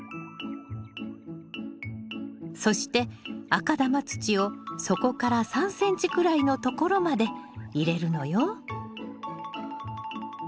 そして赤玉土を底から３ｃｍくらいのところまで入れるのよ。